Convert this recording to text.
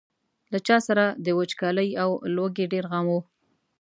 له هر چا سره د وچکالۍ او لوږې ډېر غم و.